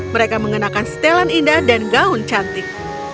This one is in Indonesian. mereka mengenakan setelan indah dan gaun cantik